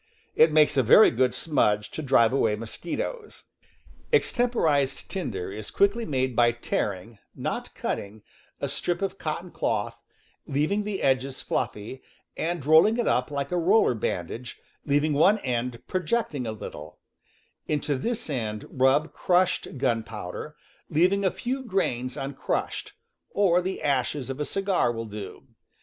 It makes a very good smudge to drive away mosquitoes. Extemporized tinder is quickly made by tearing (not cutting) a strip of cotton cloth, leaving the edges fluffy, and rolling it up like a roller bandage, leaving one end projecting a little; into this end rub crushed gunpow der, leaving a few grains uncrushed, or the ashes of a cigar will do.